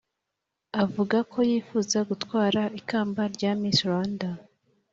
avuga ko yifuza gutwara ikamba rya miss rwanda